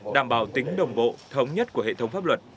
đảm bảo tính đồng bộ thống nhất của hệ thống pháp luật